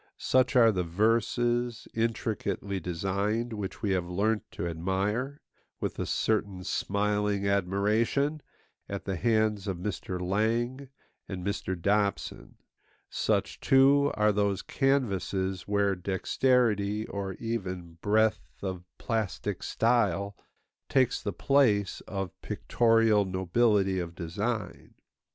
Such are the verses, intricately designed, which we have learnt to admire, with a certain smiling admiration, at the hands of Mr. Lang and Mr. Dobson; such, too, are those canvases where dexterity or even breadth of plastic style takes the place of pictorial nobility of design.